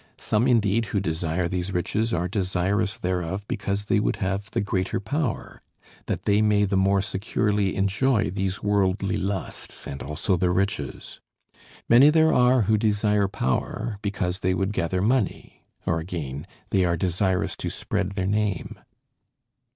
Some indeed who desire these riches are desirous thereof because they would have the greater power, that they may the more securely enjoy these worldly lusts, and also the riches. Many there are who desire power because they would gather money; or again, they are desirous to spread their name.